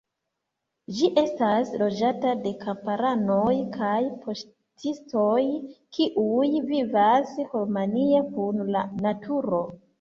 Ĝi estas loĝata de kamparanoj kaj paŝtistoj kiuj vivas harmonie kun la naturo.